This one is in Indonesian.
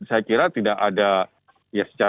dan saya kira tidak ada ya secara sifatnya yang bisa diatur